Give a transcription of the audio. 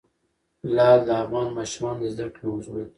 لعل د افغان ماشومانو د زده کړې موضوع ده.